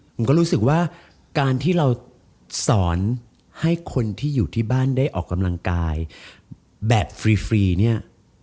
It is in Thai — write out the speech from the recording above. ผมก็รู้สึกว่าการที่เราสอนให้คนที่อยู่ที่บ้านได้ออกกำลังกายแบบฟรีเนี่ย